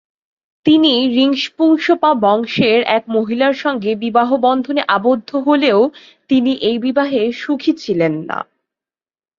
তিনি রিং-স্পুংস-পা বংশের এক মহিলার সঙ্গে বিবাহবন্ধনে আবদ্ধ হলেও তিনি এই বিবাহে সুখী ছিলেন না।